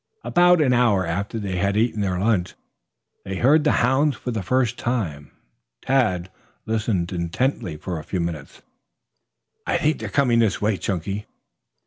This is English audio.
About an hour after they had eaten their lunch they heard the bounds for the first time. Tad listened intently for a few minutes. "I think they are coming this way, Chunky."